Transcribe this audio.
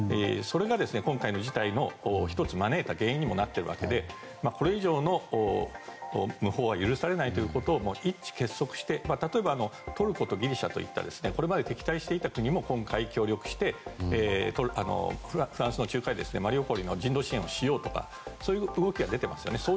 それが今回の事態の招いた原因にもなっているわけでこれ以上の無法は許されないということを一致結束して例えばトルコやギリシャといったこれまで敵対していた国も今回、協力してフランスの仲介でマリウポリの人道支援をしようとかそういう動きが出ていますよね。